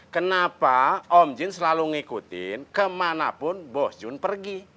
kenapa om jin selalu ngikutin kemanapun bos jun pergi